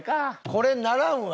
これにならんわ！